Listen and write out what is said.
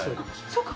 そうか！